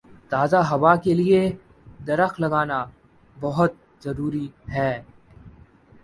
تازہ ہوا کے لیے درخت لگانا بہت ضروری ہے۔